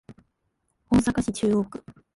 大阪市中央区